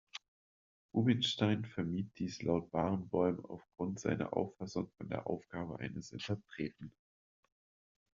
Rubinstein vermied dies laut Barenboim aufgrund seiner Auffassung von der Aufgabe eines Interpreten.